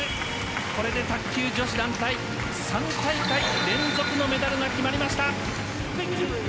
これで卓球女子団体３大会連続のメダルが決まりました。